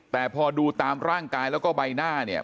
แต่พอดูตามร่างกายแล้วก็ใบหน้าเนี่ย